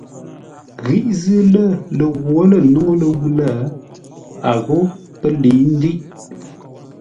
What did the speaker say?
Ghíʼ zʉ́ lə̂ lə ghwǒ lə̂ nuŋú ləwʉ̂ lə̂, a ghó pə́ lə̌i ndə́iʼ.